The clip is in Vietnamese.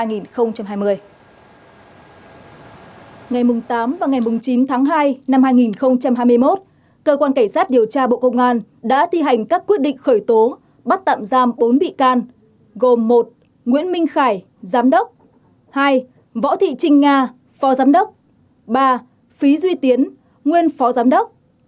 ngày tám và ngày chín tháng hai năm hai nghìn hai mươi một cơ quan cảnh sát điều tra bộ công an đã thi hành các quyết định khởi tố bắt tạm giam bốn bị can gồm một nguyễn minh khải giám đốc hai võ thị trinh nga phó giám đốc ba phí duy tiến nguyên phó giám đốc